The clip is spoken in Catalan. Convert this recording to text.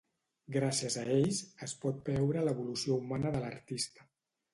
Gràcies a ells, es pot veure l'evolució humana de l'artista.